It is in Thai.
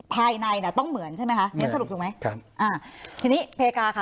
ภายในน่ะต้องเหมือนใช่ไหมคะงั้นสรุปถูกไหมครับอ่าทีนี้เพกาค่ะ